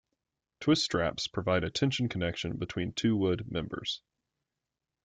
Twist straps provide a tension connection between two wood members.